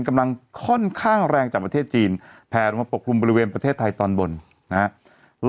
กำลังค่อนข้างแรงจากประเทศจีนแผลลงมาปกคลุมบริเวณประเทศไทยตอนบนนะครับ